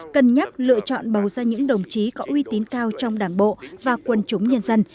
cân nhắc lựa chọn bầu ra những đồng chí có uy tín cao trong đảng bộ và quân chúng nhân dân